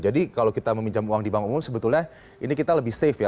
jadi kalau kita meminjam uang di bank umum sebetulnya ini kita lebih safe ya